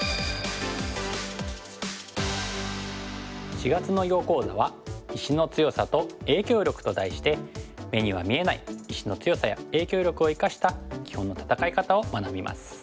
４月の囲碁講座は「石の強さと影響力」と題して目には見えない石の強さや影響力を生かした基本の戦い方を学びます。